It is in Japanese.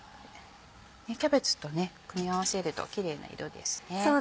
キャベツと組み合わせるとキレイな色ですね。